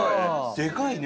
でかいね。